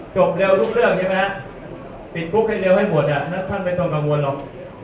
จบเร็วลูกเรื่องใช่ไหมปิดกรุ๊กให้เร็วให้บวชน่าท่านไปต้องกังวลหรอก